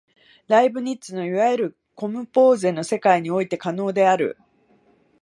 ライプニッツのいわゆるコムポーゼの世界において可能である。